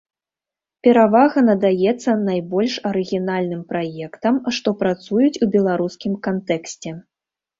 Перавага надаецца найбольш арыгінальным праектам, што працуюць у беларускім кантэксце.